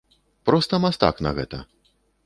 Проста мастак на гэта.